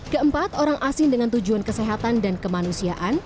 keempat orang asing dengan tujuan kesehatan dan kemanusiaan